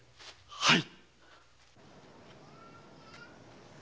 はい。